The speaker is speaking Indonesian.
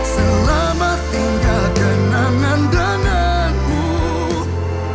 selamat tinggal kenangan denganmu